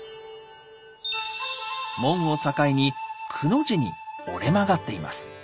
門を境にくの字に折れ曲がっています。